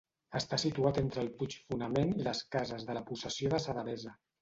Està situat entre el puig Fonament i les cases de la possessió de sa Devesa.